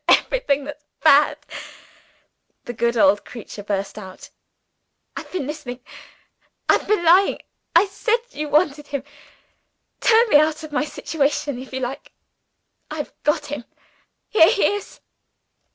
"I'm everything that's bad!" the good old creature burst out. "I've been listening I've been lying I said you wanted him. Turn me out of my situation, if you like. I've got him! Here he is!"